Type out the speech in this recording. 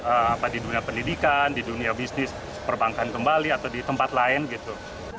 apa di dunia pendidikan di dunia bisnis perbankan kembali atau di tempat lain gitu